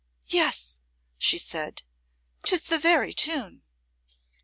"Yes," she said, "'tis the very tune."